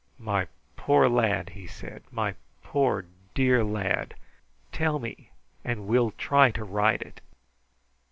"My poor lad!" he said. "My poor, dear lad! tell me, and we will try to right it!"